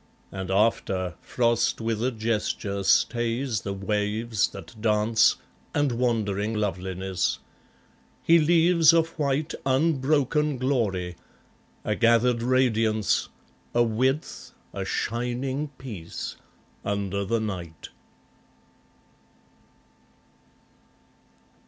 And after, Frost, with a gesture, stays the waves that dance And wandering loveliness. He leaves a white Unbroken glory, a gathered radiance, A width, a shining peace, under the night.